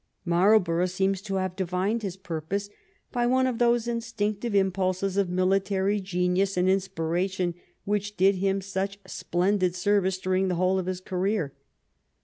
Marlborough seems to have divined his purpose by one of those instinctive impulses of military genius and inspiration which did him such splendid service during the whole of his career.